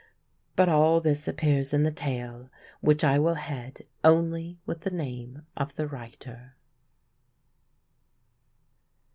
But all this appears in the tale, which I will head only with the name of the writer.